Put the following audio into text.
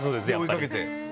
追いかけて。